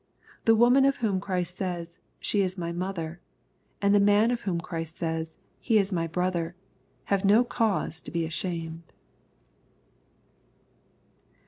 The woman of whom Christ says, " She is my mother," and the man of whom Christ says, *' He is my brother," have no cause to be ashamed.